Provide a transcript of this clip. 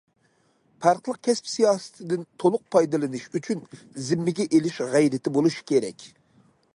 پەرقلىق كەسىپ سىياسىتىدىن تولۇق پايدىلىنىش ئۈچۈن زىممىگە ئېلىش غەيرىتى بولۇشى كېرەك.